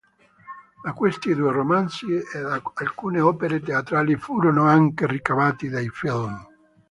Da questi due romanzi e da alcune opere teatrali furono anche ricavati dei film.